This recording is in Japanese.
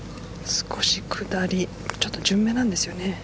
少し下りちょっと順目なんですよね。